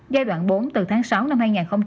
giai đoạn bốn từ tháng sáu năm hai nghìn hai mươi